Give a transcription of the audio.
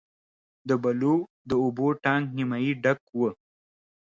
د بلو د اوبو ټانک نیمه ډک و.